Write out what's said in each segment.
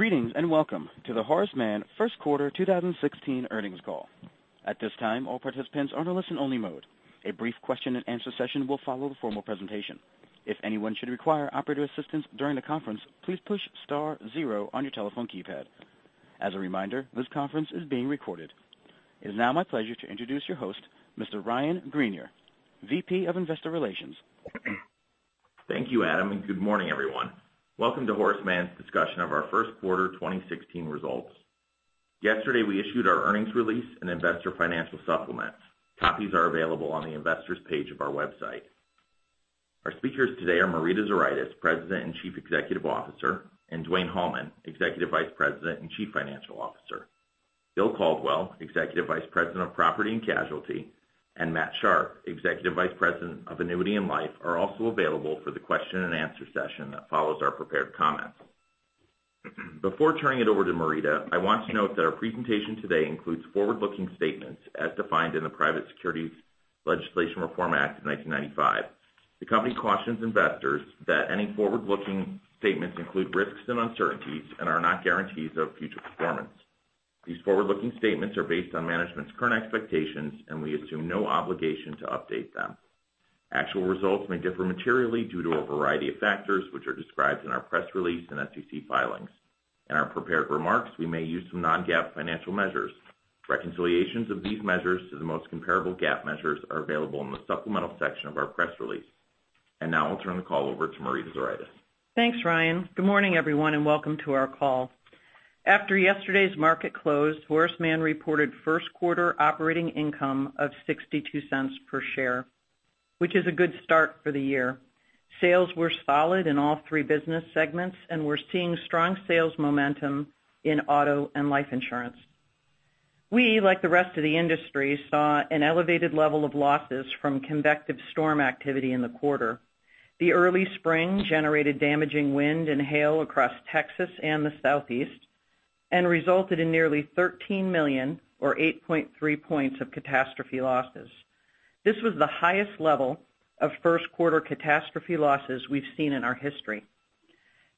Greetings. Welcome to the Horace Mann first quarter 2016 earnings call. At this time, all participants are in a listen-only mode. A brief question-and-answer session will follow the formal presentation. If anyone should require operator assistance during the conference, please push star 0 on your telephone keypad. As a reminder, this conference is being recorded. It is now my pleasure to introduce your host, Mr. Ryan Greenier, VP of Investor Relations. Thank you, Adam. Good morning, everyone. Welcome to Horace Mann's discussion of our first quarter 2016 results. Yesterday, we issued our earnings release and investor financial supplement. Copies are available on the investors page of our website. Our speakers today are Marita Zuraitis, President and Chief Executive Officer, and Dwayne Hallman, Executive Vice President and Chief Financial Officer. Bill Caldwell, Executive Vice President of Property and Casualty, and Matt Sharpe, Executive Vice President of Annuity and Life, are also available for the question-and-answer session that follows our prepared comments. Before turning it over to Marita, I want to note that our presentation today includes forward-looking statements as defined in the Private Securities Litigation Reform Act of 1995. The company cautions investors that any forward-looking statements include risks and uncertainties and are not guarantees of future performance. These forward-looking statements are based on management's current expectations. We assume no obligation to update them. Actual results may differ materially due to a variety of factors, which are described in our press release and SEC filings. In our prepared remarks, we may use some non-GAAP financial measures. Reconciliations of these measures to the most comparable GAAP measures are available in the supplemental section of our press release. Now I'll turn the call over to Marita Zuraitis. Thanks, Ryan. Good morning, everyone. Welcome to our call. After yesterday's market close, Horace Mann reported first quarter operating income of $0.62 per share, which is a good start for the year. Sales were solid in all three business segments. We're seeing strong sales momentum in auto and life insurance. We, like the rest of the industry, saw an elevated level of losses from convective storm activity in the quarter. The early spring generated damaging wind and hail across Texas and the Southeast and resulted in nearly $13 million or 8.3 points of catastrophe losses. This was the highest level of first-quarter catastrophe losses we've seen in our history.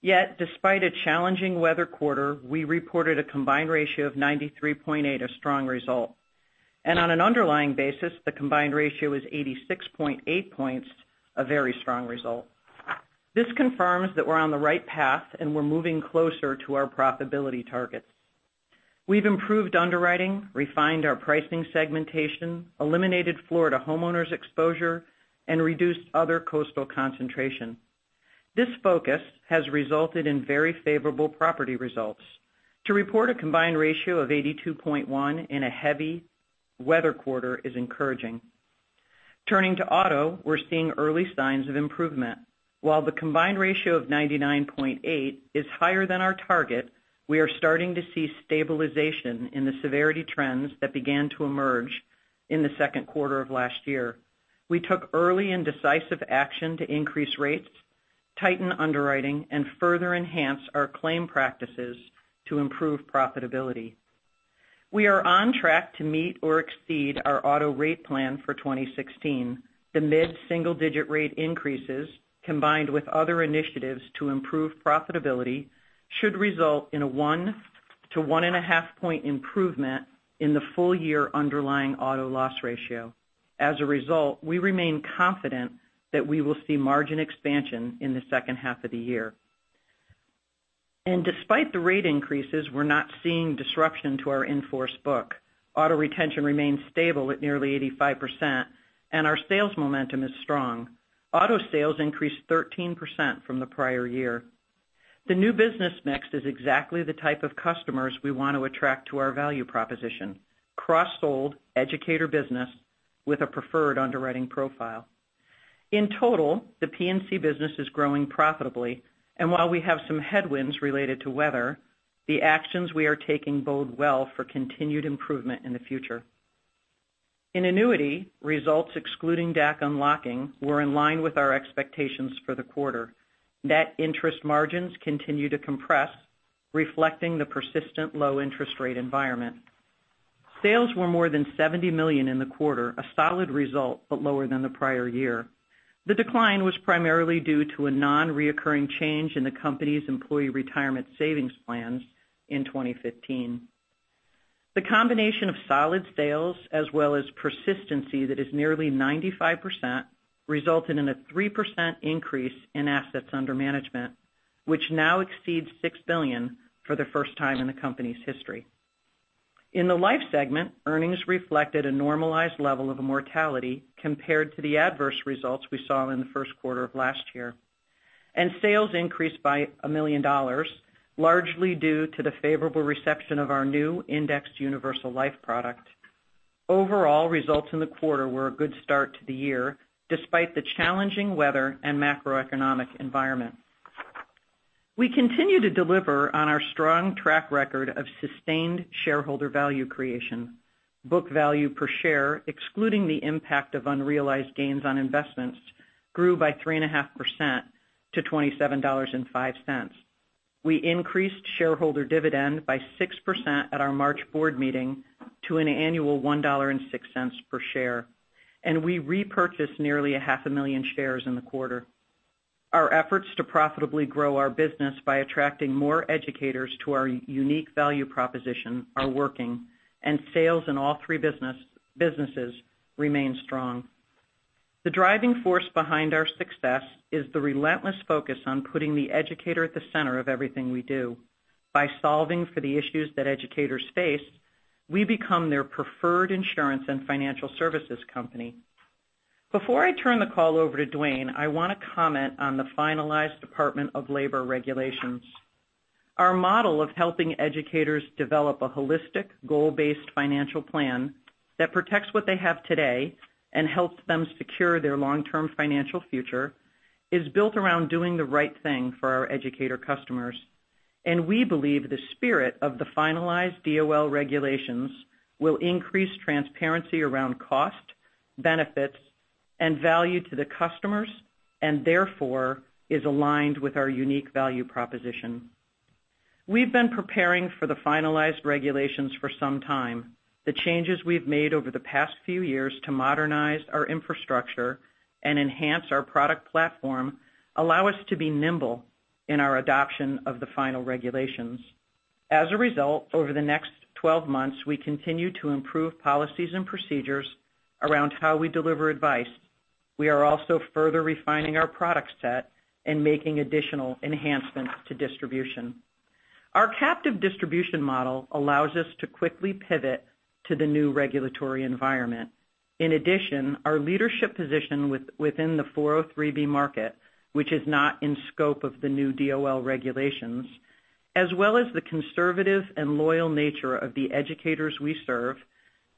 Yet, despite a challenging weather quarter, we reported a combined ratio of 93.8%, a strong result. On an underlying basis, the combined ratio is 86.8 points, a very strong result. This confirms that we're on the right path and we're moving closer to our profitability targets. We've improved underwriting, refined our pricing segmentation, eliminated Florida homeowners exposure, and reduced other coastal concentration. This focus has resulted in very favorable property results. To report a combined ratio of 82.1 in a heavy weather quarter is encouraging. Turning to auto, we're seeing early signs of improvement. While the combined ratio of 99.8 is higher than our target, we are starting to see stabilization in the severity trends that began to emerge in the second quarter of last year. We took early and decisive action to increase rates, tighten underwriting, and further enhance our claim practices to improve profitability. We are on track to meet or exceed our auto rate plan for 2016. The mid-single-digit rate increases, combined with other initiatives to improve profitability, should result in a one to one and a half point improvement in the full year underlying auto loss ratio. As a result, we remain confident that we will see margin expansion in the second half of the year. Despite the rate increases, we're not seeing disruption to our in-force book. Auto retention remains stable at nearly 85%, and our sales momentum is strong. Auto sales increased 13% from the prior year. The new business mix is exactly the type of customers we want to attract to our value proposition, cross-sold, educator business with a preferred underwriting profile. In total, the P&C business is growing profitably, and while we have some headwinds related to weather, the actions we are taking bode well for continued improvement in the future. In annuity, results excluding DAC unlocking were in line with our expectations for the quarter. Net interest margins continue to compress, reflecting the persistent low interest rate environment. Sales were more than $70 million in the quarter, a solid result but lower than the prior year. The decline was primarily due to a non-reoccurring change in the company's employee retirement savings plans in 2015. The combination of solid sales as well as persistency that is nearly 95% resulted in a 3% increase in assets under management, which now exceeds $6 billion for the first time in the company's history. In the life segment, earnings reflected a normalized level of mortality compared to the adverse results we saw in the first quarter of last year. Sales increased by $1 million, largely due to the favorable reception of our new indexed universal life product. Overall, results in the quarter were a good start to the year, despite the challenging weather and macroeconomic environment. We continue to deliver on our strong track record of sustained shareholder value creation. Book value per share, excluding the impact of unrealized gains on investments, grew by 3.5% to $27.05. We increased shareholder dividend by 6% at our March board meeting to an annual $1.06 per share. We repurchased nearly a half a million shares in the quarter. Our efforts to profitably grow our business by attracting more educators to our unique value proposition are working, and sales in all three businesses remain strong. The driving force behind our success is the relentless focus on putting the educator at the center of everything we do. By solving for the issues that educators face, we become their preferred insurance and financial services company. Before I turn the call over to Dwayne, I want to comment on the finalized Department of Labor regulations. Our model of helping educators develop a holistic, goal-based financial plan that protects what they have today and helps them secure their long-term financial future is built around doing the right thing for our educator customers. We believe the spirit of the finalized DOL regulations will increase transparency around cost, benefits, and value to the customers, and therefore, is aligned with our unique value proposition. We've been preparing for the finalized regulations for some time. The changes we've made over the past few years to modernize our infrastructure and enhance our product platform allow us to be nimble in our adoption of the final regulations. As a result, over the next 12 months, we continue to improve policies and procedures around how we deliver advice. We are also further refining our product set and making additional enhancements to distribution. Our captive distribution model allows us to quickly pivot to the new regulatory environment. In addition, our leadership position within the 403 market, which is not in scope of the new DOL regulations, as well as the conservative and loyal nature of the educators we serve,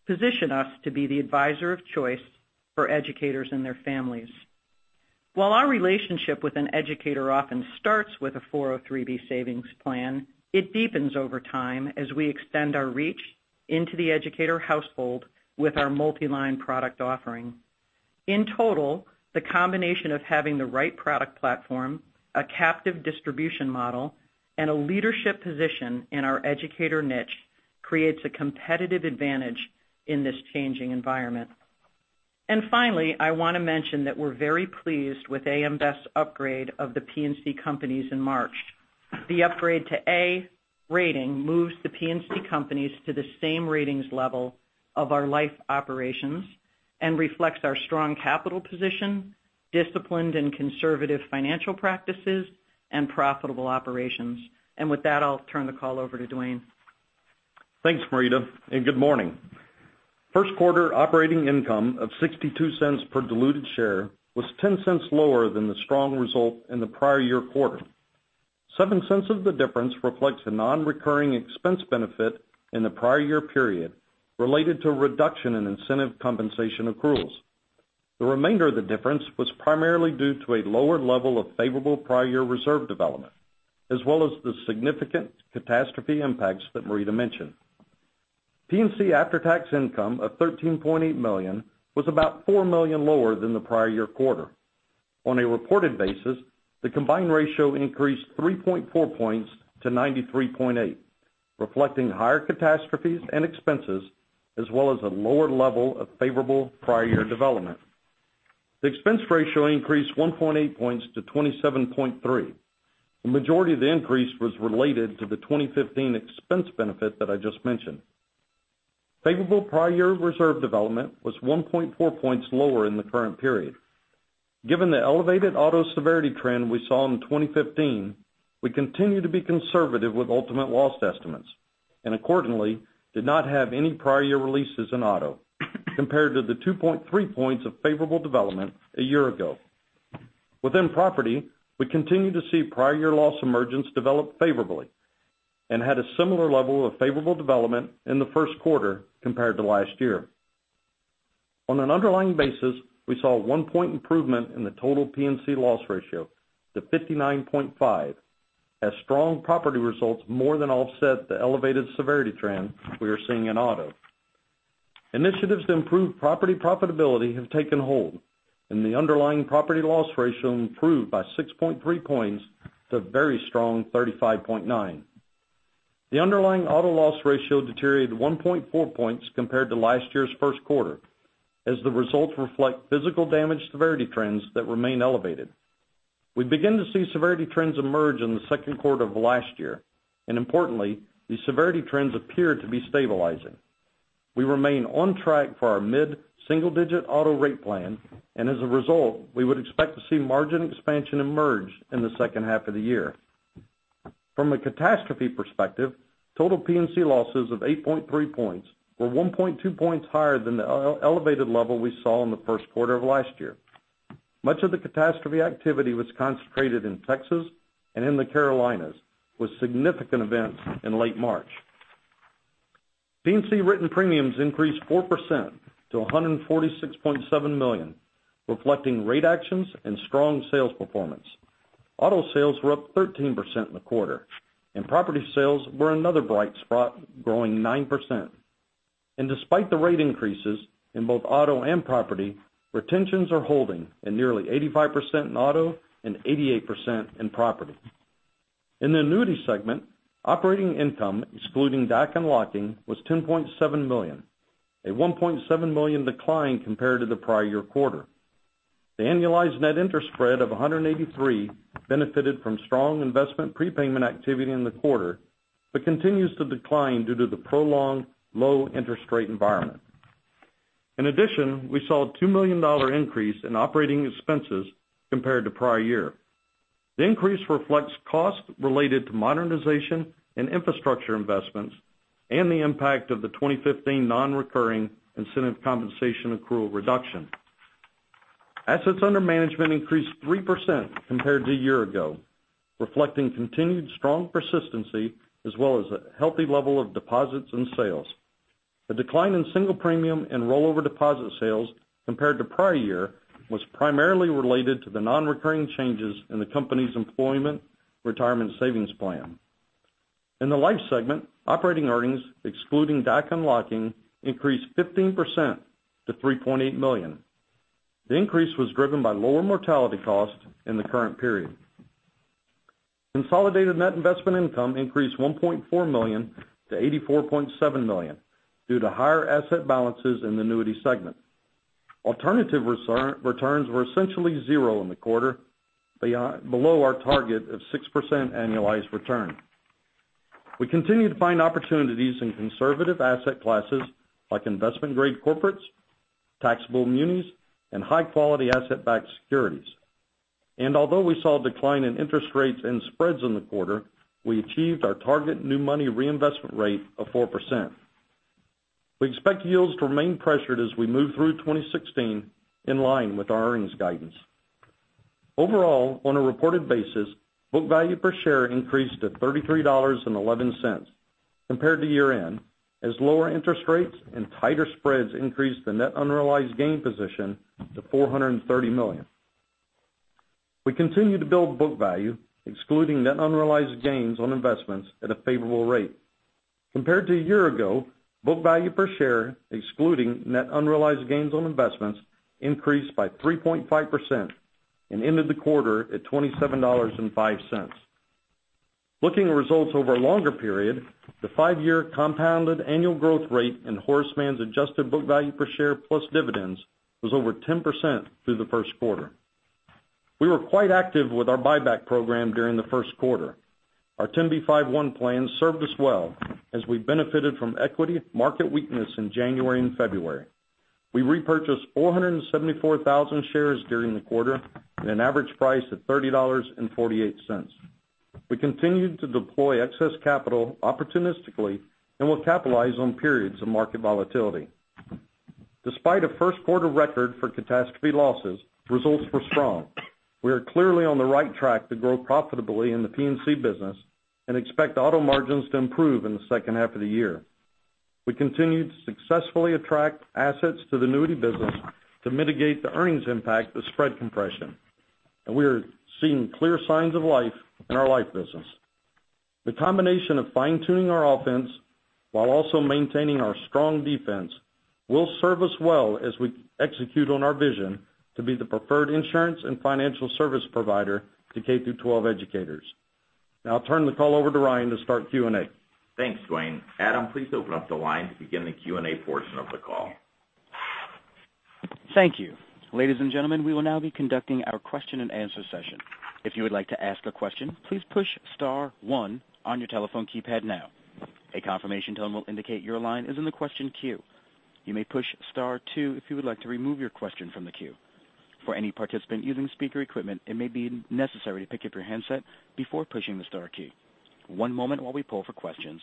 position us to be the advisor of choice for educators and their families. While our relationship with an educator often starts with a 403 savings plan, it deepens over time as we extend our reach into the educator household with our multi-line product offering. In total, the combination of having the right product platform, a captive distribution model, and a leadership position in our educator niche creates a competitive advantage in this changing environment. Finally, I want to mention that we're very pleased with AM Best's upgrade of the P&C companies in March. The upgrade to A rating moves the P&C companies to the same ratings level of our life operations and reflects our strong capital position, disciplined and conservative financial practices, and profitable operations. With that, I'll turn the call over to Dwayne. Thanks, Marita, and good morning. First quarter operating income of $0.62 per diluted share was $0.10 lower than the strong result in the prior year quarter. $0.07 of the difference reflects a non-recurring expense benefit in the prior year period related to a reduction in incentive compensation accruals. The remainder of the difference was primarily due to a lower level of favorable prior year reserve development, as well as the significant catastrophe impacts that Marita mentioned. P&C after-tax income of $13.8 million was about $4 million lower than the prior year quarter. On a reported basis, the combined ratio increased 3.4 points to 93.8%, reflecting higher catastrophes and expenses as well as a lower level of favorable prior year development. The expense ratio increased 1.8 points to 27.3%. The majority of the increase was related to the 2015 expense benefit that I just mentioned. Favorable prior year reserve development was 1.4 points lower in the current period. Given the elevated auto severity trend we saw in 2015, we continue to be conservative with ultimate loss estimates, and accordingly, did not have any prior year releases in auto compared to the 2.3 points of favorable development a year ago. Within property, we continue to see prior year loss emergence develop favorably and had a similar level of favorable development in the first quarter compared to last year. On an underlying basis, we saw a one-point improvement in the total P&C loss ratio to 59.5 as strong property results more than offset the elevated severity trend we are seeing in auto. Initiatives to improve property profitability have taken hold, and the underlying property loss ratio improved by 6.3 points to a very strong 35.9. The underlying auto loss ratio deteriorated 1.4 points compared to last year's first quarter as the results reflect physical damage severity trends that remain elevated. We began to see severity trends emerge in the second quarter of last year. Importantly, these severity trends appear to be stabilizing. We remain on track for our mid-single-digit auto rate plan. As a result, we would expect to see margin expansion emerge in the second half of the year. From a catastrophe perspective, total P&C losses of 8.3 points were 1.2 points higher than the elevated level we saw in the first quarter of last year. Much of the catastrophe activity was concentrated in Texas and in the Carolinas, with significant events in late March. P&C written premiums increased 4% to $146.7 million, reflecting rate actions and strong sales performance. Auto sales were up 13% in the quarter. Property sales were another bright spot, growing 9%. Despite the rate increases in both auto and property, retentions are holding at nearly 85% in auto and 88% in property. In the annuity segment, operating income, excluding DAC unlocking, was $10.7 million, a $1.7 million decline compared to the prior year quarter. The annualized net interest spread of 183 benefited from strong investment prepayment activity in the quarter, but continues to decline due to the prolonged low interest rate environment. In addition, we saw a $2 million increase in operating expenses compared to prior year. The increase reflects costs related to modernization and infrastructure investments and the impact of the 2015 non-recurring incentive compensation accrual reduction. Assets under management increased 3% compared to a year ago, reflecting continued strong persistency as well as a healthy level of deposits and sales. A decline in single premium and rollover deposit sales compared to prior year was primarily related to the non-recurring changes in the company's employment retirement savings plan. In the life segment, operating earnings, excluding DAC unlocking, increased 15% to $3.8 million. The increase was driven by lower mortality costs in the current period. Consolidated net investment income increased $1.4 million to $84.7 million due to higher asset balances in the annuity segment. Alternative returns were essentially zero in the quarter, below our target of 6% annualized return. We continue to find opportunities in conservative asset classes like investment-grade corporates, taxable munis, and high-quality asset-backed securities. Although we saw a decline in interest rates and spreads in the quarter, we achieved our target new money reinvestment rate of 4%. We expect yields to remain pressured as we move through 2016, in line with our earnings guidance. Overall, on a reported basis, book value per share increased to $33.11 compared to year-end, as lower interest rates and tighter spreads increased the net unrealized gain position to $430 million. We continue to build book value, excluding net unrealized gains on investments at a favorable rate. Compared to a year ago, book value per share, excluding net unrealized gains on investments, increased by 3.5% and ended the quarter at $27.05. Looking at results over a longer period, the 5-year compounded annual growth rate in Horace Mann's adjusted book value per share plus dividends was over 10% through the first quarter. We were quite active with our buyback program during the first quarter. Our 10b5-1 plan served us well as we benefited from equity market weakness in January and February. We repurchased 474,000 shares during the quarter at an average price of $30.48. We continue to deploy excess capital opportunistically and will capitalize on periods of market volatility. Despite a first quarter record for catastrophe losses, results were strong. We are clearly on the right track to grow profitably in the P&C business and expect auto margins to improve in the second half of the year. We continue to successfully attract assets to the annuity business to mitigate the earnings impact of spread compression. We are seeing clear signs of life in our life business. The combination of fine-tuning our offense while also maintaining our strong defense will serve us well as we execute on our vision to be the preferred insurance and financial service provider to K-12 educators. Now I'll turn the call over to Ryan to start Q&A. Thanks, Dwayne. Adam, please open up the line to begin the Q&A portion of the call. Thank you. Ladies and gentlemen, we will now be conducting our question and answer session. If you would like to ask a question, please push star one on your telephone keypad now. A confirmation tone will indicate your line is in the question queue. You may push star two if you would like to remove your question from the queue. For any participant using speaker equipment, it may be necessary to pick up your handset before pushing the star key. One moment while we pull for questions.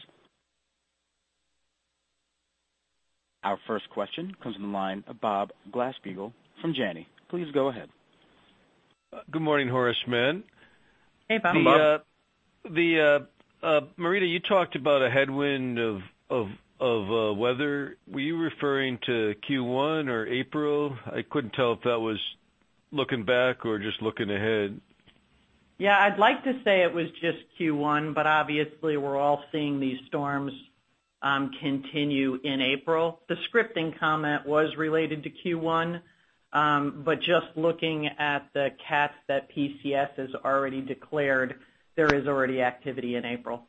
Our first question comes from the line of Bob Glasspiegel from Janney. Please go ahead. Good morning, Horace Mann. Hey, Bob. Marita, you talked about a headwind of weather. Were you referring to Q1 or April? I couldn't tell if that was looking back or just looking ahead. Yeah, I'd like to say it was just Q1, but obviously we're all seeing these storms continue in April. The scripting comment was related to Q1, but just looking at the cats that PCS has already declared, there is already activity in April.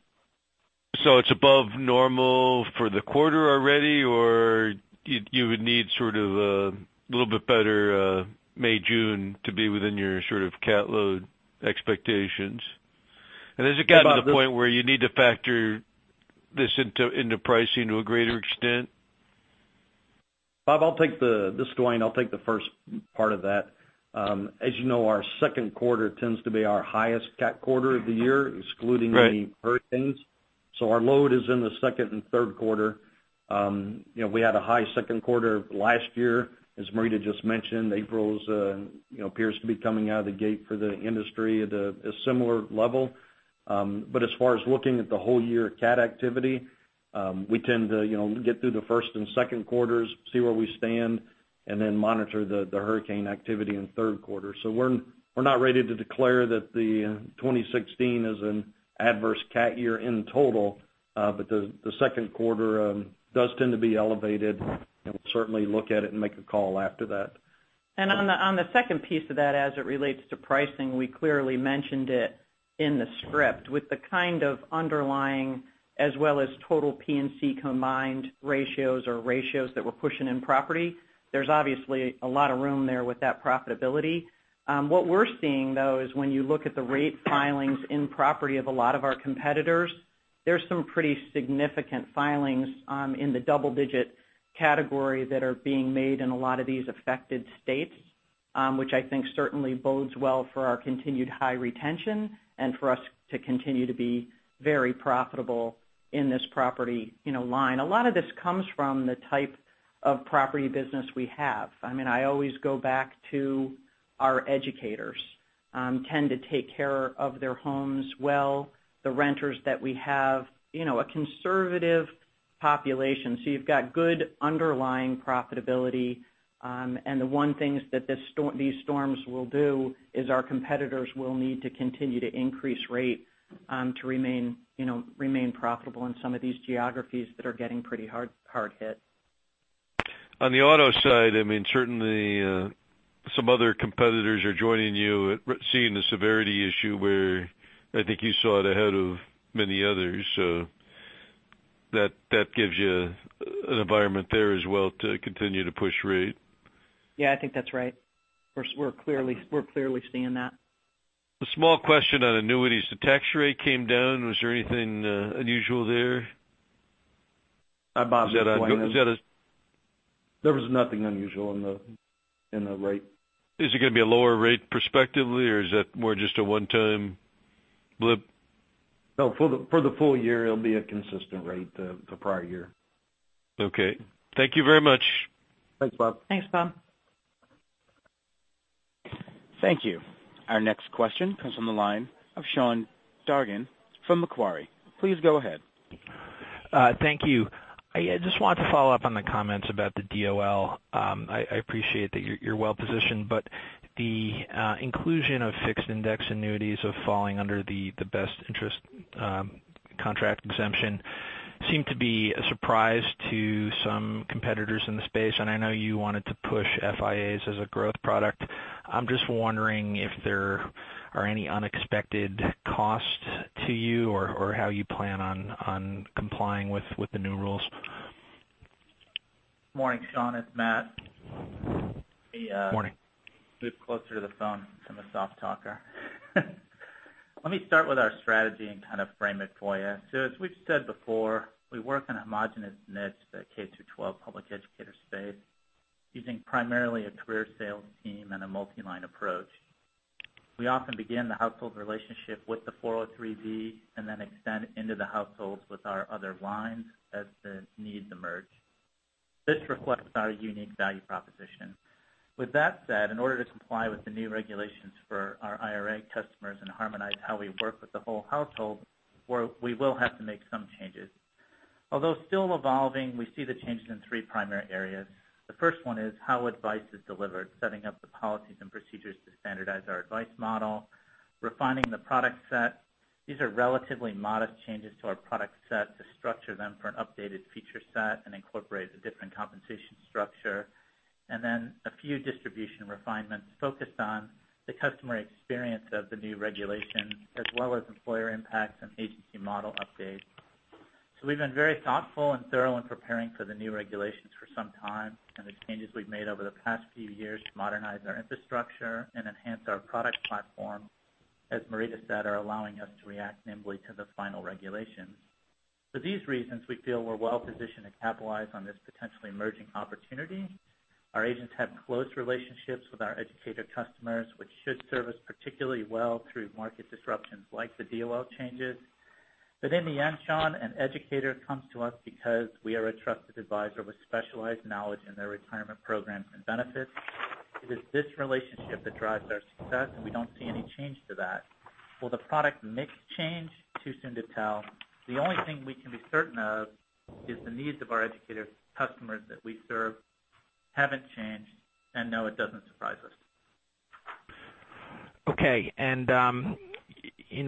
It's above normal for the quarter already, or you would need sort of a little bit better May, June to be within your cat load expectations? Yeah, Bob. Has it gotten to the point where you need to factor this into pricing to a greater extent? Bob, this is Dwayne. I'll take the first part of that. As you know, our second quarter tends to be our highest cat quarter of the year, excluding. Right Our load is in the second and third quarter. We had a high second quarter last year. As Marita just mentioned, April appears to be coming out of the gate for the industry at a similar level. As far as looking at the whole year cat activity, we tend to get through the first and second quarters, see where we stand, and then monitor the hurricane activity in the third quarter. We're not ready to declare that 2016 is an adverse cat year in total, but the second quarter does tend to be elevated, and we'll certainly look at it and make a call after that. On the second piece of that, as it relates to pricing, we clearly mentioned it in the script with the kind of underlying as well as total P&C combined ratios or ratios that we're pushing in property. There's obviously a lot of room there with that profitability. What we're seeing, though, is when you look at the rate filings in property of a lot of our competitors, there's some pretty significant filings in the double-digit category that are being made in a lot of these affected states, which I think certainly bodes well for our continued high retention and for us to continue to be very profitable in this property line. A lot of this comes from the type of property business we have. I always go back to our educators tend to take care of their homes well, the renters that we have, a conservative population. You've got good underlying profitability, and the one thing that these storms will do is our competitors will need to continue to increase rate to remain profitable in some of these geographies that are getting pretty hard hit. On the auto side, certainly some other competitors are joining you at seeing the severity issue where I think you saw it ahead of many others. That gives you an environment there as well to continue to push rate. Yeah, I think that's right. We're clearly seeing that. A small question on annuities. The tax rate came down. Was there anything unusual there? I'll possibly weigh in. There was nothing unusual in the rate. Is it going to be a lower rate prospectively, or is that more just a one-time blip? No, for the full year, it'll be a consistent rate, the prior year. Okay. Thank you very much. Thanks, Bob. Thanks, Bob. Thank you. Our next question comes from the line of Sean Dargan from Macquarie. Please go ahead. Thank you. I just wanted to follow up on the comments about the DOL. I appreciate that you're well-positioned. The inclusion of fixed indexed annuities of falling under the Best Interest Contract Exemption seemed to be a surprise to some competitors in the space. I know you wanted to push FIAs as a growth product. I'm just wondering if there are any unexpected costs to you or how you plan on complying with the new rules. Morning, Sean, it's Matt. Morning. Let me move closer to the phone. I'm a soft talker. Let me start with our strategy and kind of frame it for you. As we've said before, we work in a homogenous niche, the K-through-12 public educator space, using primarily a career sales team and a multi-line approach. We often begin the household relationship with the 403 and then extend into the households with our other lines as the needs emerge. This reflects our unique value proposition. With that said, in order to comply with the new regulations for our IRA customers and harmonize how we work with the whole household, we will have to make some changes. Although still evolving, we see the changes in three primary areas. The first one is how advice is delivered, setting up the policies and procedures to standardize our advice model, refining the product set. These are relatively modest changes to our product set to structure them for an updated feature set and incorporate the different compensation structure. A few distribution refinements focused on the customer experience of the new regulation, as well as employer impacts and agency model updates. We've been very thoughtful and thorough in preparing for the new regulations for some time, and the changes we've made over the past few years to modernize our infrastructure and enhance our product platform, as Marita said, are allowing us to react nimbly to the final regulation. For these reasons, we feel we're well-positioned to capitalize on this potentially emerging opportunity. Our agents have close relationships with our educator customers, which should serve us particularly well through market disruptions like the DOL changes. In the end, Sean, an educator comes to us because we are a trusted advisor with specialized knowledge in their retirement programs and benefits. It is this relationship that drives our success, and we don't see any change to that. Will the product mix change? Too soon to tell. The only thing we can be certain of is the needs of our educator customers that we serve haven't changed. No, it doesn't surprise us. Okay.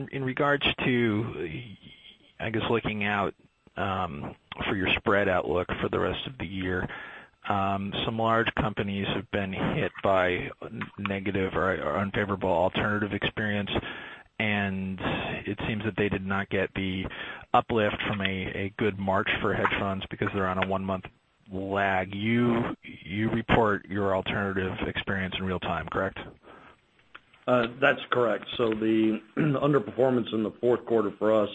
In regards to, I guess, looking out for your spread outlook for the rest of the year, some large companies have been hit by negative or unfavorable alternative experience, and it seems that they did not get the uplift from a good March for hedge funds because they're on a one-month lag. You report your alternative experience in real time, correct? That's correct. The underperformance in the fourth quarter for us,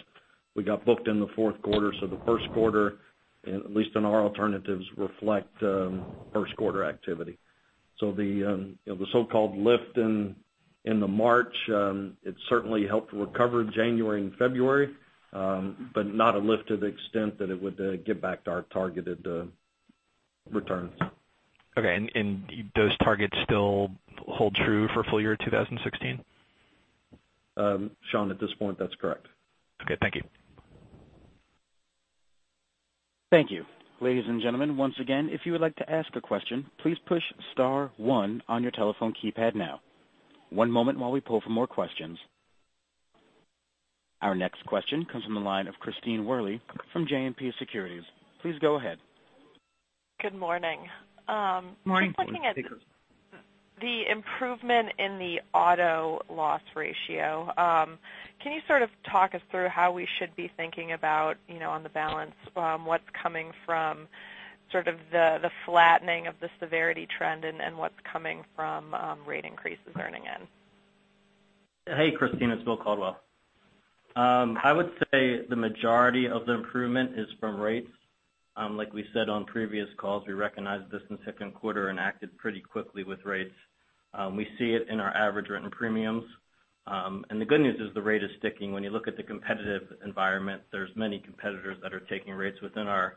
we got booked in the fourth quarter. The first quarter, at least in our alternatives, reflect first quarter activity. The so-called lift in the March, it certainly helped recover January and February, but not a lift to the extent that it would get back to our targeted returns. Okay, does targets still hold true for full year 2016? Sean, at this point, that's correct. Okay, thank you. Thank you. Ladies and gentlemen, once again, if you would like to ask a question, please push star one on your telephone keypad now. One moment while we pull for more questions. Our next question comes from the line of Christine Worley from JMP Securities. Please go ahead. Good morning. Morning. Just looking at the improvement in the auto loss ratio. Can you sort of talk us through how we should be thinking about, on the balance, what's coming from sort of the flattening of the severity trend and what's coming from rate increases earning in? Hey, Christine, it's William Caldwell. I would say the majority of the improvement is from rates. Like we said on previous calls, we recognized this in the second quarter and acted pretty quickly with rates. We see it in our average written premiums. The good news is the rate is sticking. When you look at the competitive environment, there's many competitors that are taking rates within our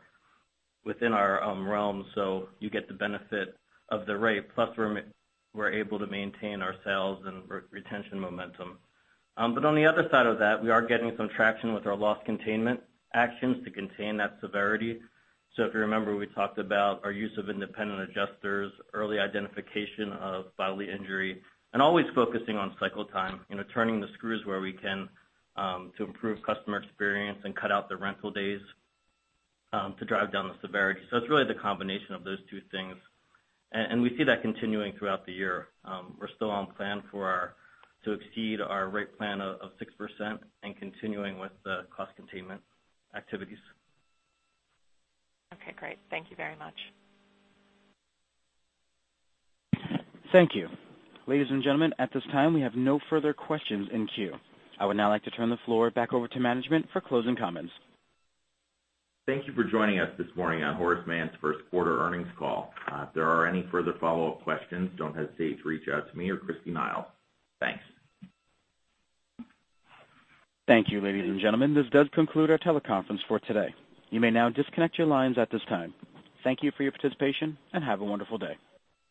realm, so you get the benefit of the rate. Plus, we're able to maintain our sales and retention momentum. On the other side of that, we are getting some traction with our loss containment actions to contain that severity. If you remember, we talked about our use of independent adjusters, early identification of bodily injury, and always focusing on cycle time, turning the screws where we can, to improve customer experience and cut out the rental days, to drive down the severity. It's really the combination of those two things, and we see that continuing throughout the year. We're still on plan to exceed our rate plan of 6% and continuing with the cost containment activities. Okay, great. Thank you very much. Thank you. Ladies and gentlemen, at this time, we have no further questions in queue. I would now like to turn the floor back over to management for closing comments. Thank you for joining us this morning on Horace Mann's first quarter earnings call. If there are any further follow-up questions, don't hesitate to reach out to me or Christy Nile. Thanks. Thank you, ladies and gentlemen. This does conclude our teleconference for today. You may now disconnect your lines at this time. Thank you for your participation, and have a wonderful day.